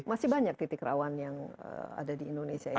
masih banyak titik rawan yang ada di indonesia ini